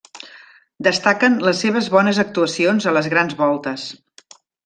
Destaquen les seves bones actuacions a les Grans Voltes.